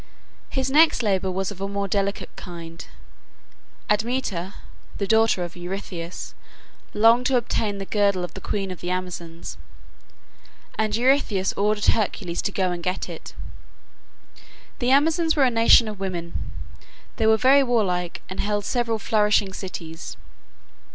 His next labor was of a more delicate kind. Admeta, the daughter of Eurystheus, longed to obtain the girdle of the queen of the Amazons, and Eurystheus ordered Hercules to go and get it. The Amazons were a nation of women. They were very warlike and held several flourishing cities.